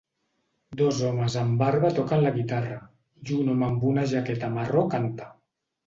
Dos homes amb barba toquen la guitarra i un home amb una jaqueta marró canta.